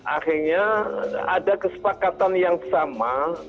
akhirnya ada kesepakatan yang sama